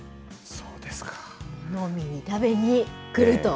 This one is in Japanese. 飲みに食べに来ると。